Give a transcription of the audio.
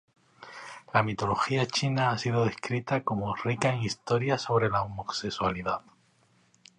La mitología china ha sido descrita como "rica en historias sobre la homosexualidad".